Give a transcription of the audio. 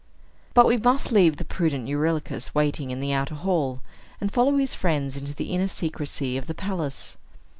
But we must leave the prudent Eurylochus waiting in the outer hall, and follow his friends into the inner secrecy of the palace.